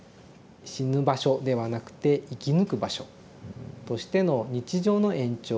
死ぬ場所ではなくて生き抜く場所としての日常の延長。